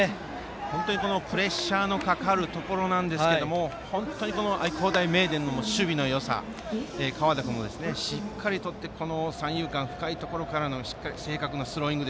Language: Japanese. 本当にプレッシャーのかかるところですが本当に愛工大名電の守備のよさ河田君もしっかりとって三遊間の深いところから正確なスローイング。